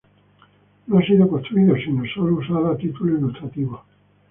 No ha sido construido, sino sólo usado a título ilustrativo.